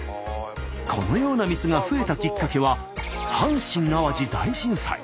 このような店が増えたきっかけは阪神・淡路大震災。